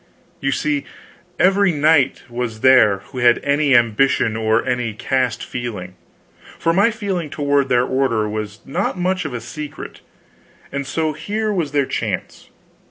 You see, every knight was there who had any ambition or any caste feeling; for my feeling toward their order was not much of a secret, and so here was their chance.